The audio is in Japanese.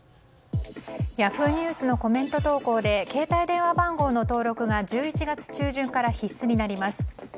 Ｙａｈｏｏ！ニュースのコメント投稿で携帯電話番号の登録が１１月中旬から必死になります。